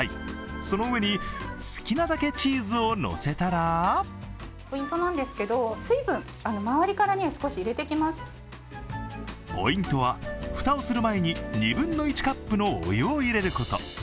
その上に好きなだけチーズをのせたらポイントは蓋をする前に２分の１カップのお湯を入れること。